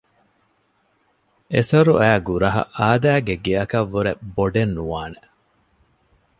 އެސޮރުއައި ގުރަހަ އާދައިގެ ގެއަކަށްވުރެ ބޮޑެއް ނުވާނެ